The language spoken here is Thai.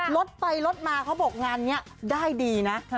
รถไปลดมาเขาบอกงานนี้ได้ดีนะ